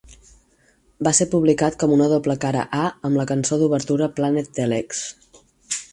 Va ser publicat com una doble cara A amb la cançó d'obertura "Planet Telex".